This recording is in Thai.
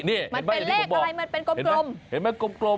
นี่เห็นไหมอย่างที่ผมบอกมันเป็นเลขอะไรเหมือนเป็นกลม